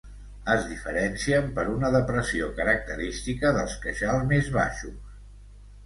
Es diferencien per una depressió característica dels queixals més baixos.